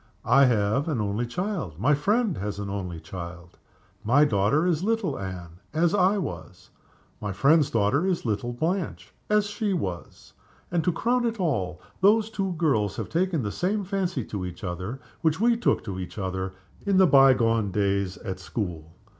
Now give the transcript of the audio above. I have an only child. My friend has an only child. My daughter is little Anne as I was. My friend's daughter is little Blanche as she was. And, to crown it all, those two girls have taken the same fancy to each other which we took to each other in the by gone days at school.